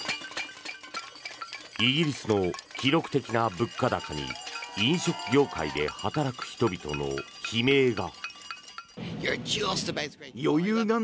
イギリスの記録的な物価高に飲食業界で働く人々の悲鳴が。